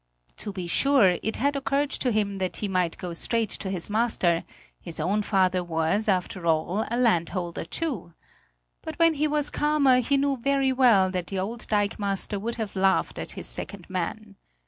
To be sure, it had occurred to him that he might go straight to his master; his own father was, after all, a landholder too. But when he was calmer, he knew very well that the old dikemaster would have laughed at his second man.